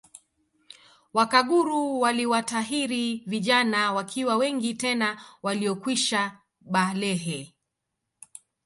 Wakaguru waliwatahiri vijana wakiwa wengi tena waliokwisha balehe